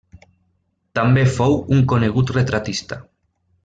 També fou un conegut retratista.